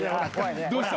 どうした？